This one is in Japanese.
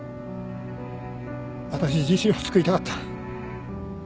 私自身を救いたかった。